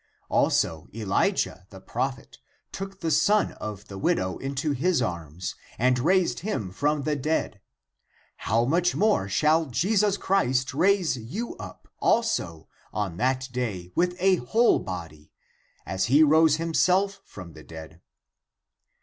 33. [Also Elijah, the prophet; took the son of the widow into his arms, and raised him from the dead ; how much more shall Jesus Christ raise you up also on that day with a whole body, as he rose himself from the dead.